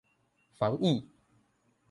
防疫